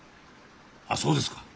あっそうですか。